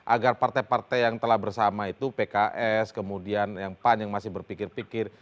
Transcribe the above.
agar partai partai yang telah bersama itu pks kemudian yang pan yang masih berpikir pikir